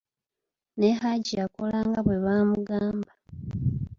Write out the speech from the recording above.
Ne Haji yakola nga bwe baamugamba.